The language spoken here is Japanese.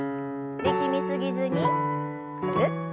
力み過ぎずにぐるっと。